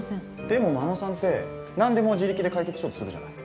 でも真野さんって何でも自力で解決しようとするじゃない。